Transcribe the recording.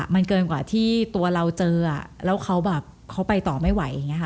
มันเกินกว่าที่ตัวเราเจอแล้วเขาแบบเขาไปต่อไม่ไหว